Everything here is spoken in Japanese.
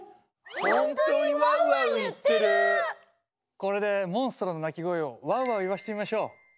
これでモンストロの鳴き声をワウワウ言わせてみましょう！